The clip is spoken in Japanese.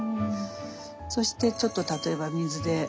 そしてちょっと例えば水で。